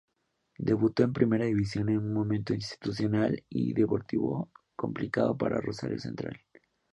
Debutó en primera división en un momento institucional y deportivo complicado para Rosario Central.